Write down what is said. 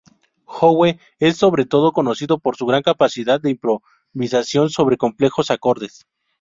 Howe es sobre todo conocido por su gran capacidad de improvisación sobre complejos acordes.